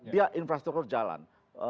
dia infrastruktur jalan